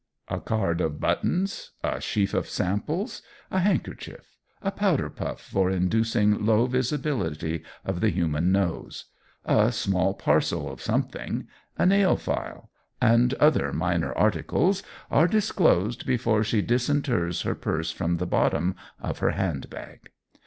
A card of buttons, a sheaf of samples, a handkerchief, a powder puff for inducing low visibility of the human nose, a small parcel of something, a nail file, and other minor articles are disclosed before she disinters her purse from the bottom of her hand bag.